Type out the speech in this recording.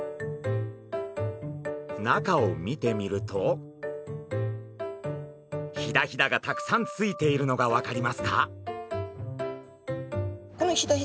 中を見てみるとヒダヒダがたくさんついているのが分かりますか？